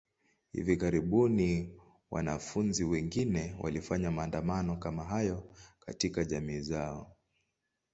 Hivi karibuni, wanafunzi wengine walifanya maandamano kama hayo katika jamii zao.